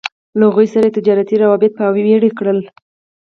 له هغوی سره يې تجارتي روابط پياوړي کړل.